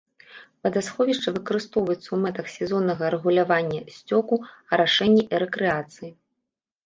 Вадасховішча выкарыстоўваецца ў мэтах сезоннага рэгулявання сцёку, арашэння і рэкрэацыі.